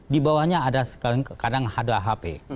di bawahnya ada kadang ada hp